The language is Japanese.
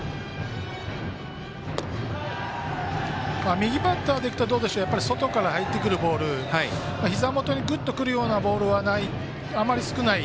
右バッターとしては外から入ってくるボールひざ元にグッとくるようなボールはあまり少ない。